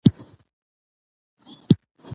په خپلوۍ واوړي او د يو بل له يرغله بچ شي.